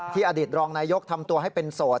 อดีตรองนายกทำตัวให้เป็นโสด